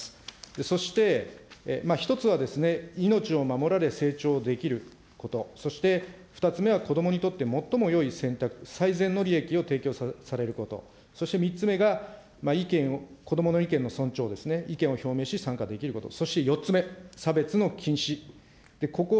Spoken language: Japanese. そして１つは命を守られ成長できること、そして２つ目はこどもにとって最もよい選択、最善の利益を提供されること、そして３つ目が、こどもの意見の尊重ですね、意見を表明し、参加できること、そして４つ目、差別の禁止。